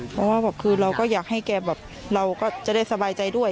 เพราะว่าแบบคือเราก็อยากให้แกแบบเราก็จะได้สบายใจด้วย